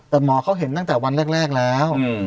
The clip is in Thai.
แต่หมอเขาเห็นตั้งแต่วันแรกแล้ว